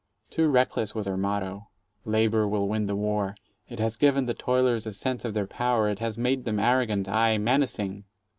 Too reckless was our motto, "Labor will win the war": it has given the toilers a sense of their power, it has made them arrogant, aye, menacing.